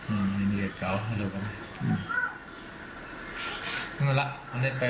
อันนี้เป็นปืนของโรงงี้